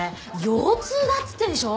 腰痛だっつってんでしょ？